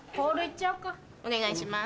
お願いします。